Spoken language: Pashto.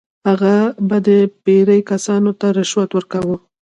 هغه به د پیرې کسانو ته رشوت ورکاوه.